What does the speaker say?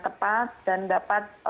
tepat dan dapat